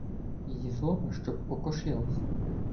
Її злоба щоб окошилась